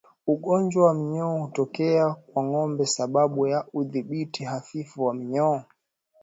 Ugonjwa wa minyoo hutokea kwa ngombe sababu ya udhibiti hafifu wa minyoo